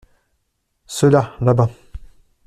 Ceux-là là-bas.